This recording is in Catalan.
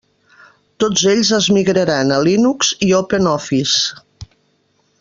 Tots ells es migraran a Linux i OpenOffice.